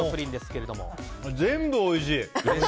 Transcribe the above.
全部おいしい。